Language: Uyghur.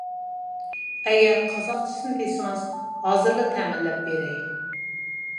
ئەگەر قازاقچىسىنى دېسىڭىز ھازىرلا تەمىنلەپ بېرەي.